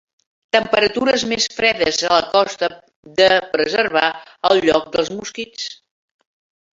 Temperatures més fredes a la costa de preservar el lloc dels mosquits.